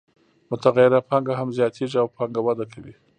متغیره پانګه هم زیاتېږي او پانګه وده کوي